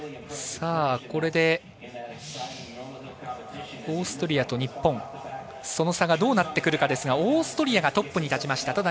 これでオーストリアと日本その差がどうなってくるかですがオーストリアがトップに立ちました。